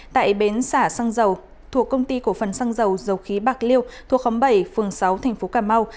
tại bến xả xăng dầu thuộc công ty cổ phần xăng dầu dầu khí bạc liêu thuộc khóm bảy phường sáu thành phố cà mau